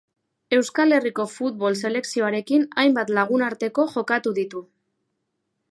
Euskal Herriko futbol selekzioarekin hainbat lagunarteko jokatu ditu.